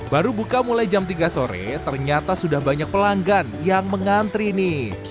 baru buka mulai jam tiga sore ternyata sudah banyak pelanggan yang mengantri nih